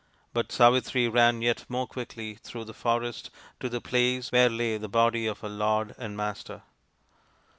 But Savitri ran yet more quickly through the forest to the place where lay the body of her lord and master.